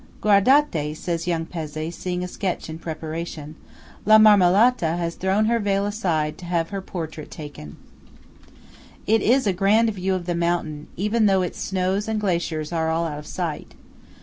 "Guardate!" says young Pezzé, seeing a sketch in preparation. "La Marmolata has thrown her veil aside to have her portrait taken." It is a grand view of the mountain, even though its snows and glaciers are all out of sight.